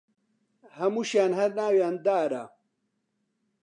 هەمووشیان هەر ناویان دارە